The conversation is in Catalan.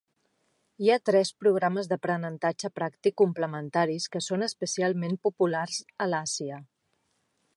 Hi ha tres programes d'aprenentatge pràctic complementaris que són especialment populars a l'Àsia.